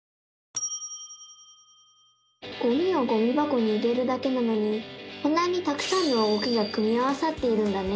ゴミをゴミばこに入れるだけなのにこんなにたくさんの動きが組み合わさっているんだね！